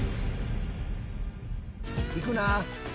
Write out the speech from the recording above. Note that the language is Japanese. いくな。